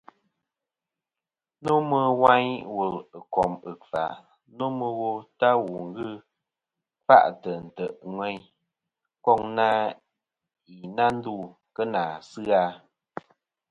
Nomɨ wayn wùl kom ɨkfà nomɨ wo ta wù ghɨ kfa'tɨ ntè' ŋweyn, koŋ na i na ndu kɨ nà asɨ-a.